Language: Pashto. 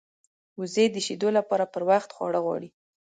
وزې د شیدو لپاره پر وخت خواړه غواړي